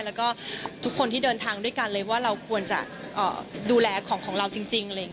แล้วถึงคนที่เดินทางด้วยกันว่าเราควรดูแลของเหล่าจริง